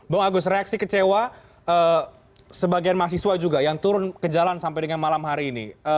bang agus reaksi kecewa sebagian mahasiswa juga yang turun ke jalan sampai dengan malam hari ini